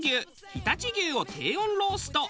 常陸牛を低温ロースト。